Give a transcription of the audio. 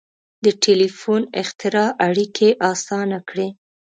• د ټیلیفون اختراع اړیکې آسانه کړې.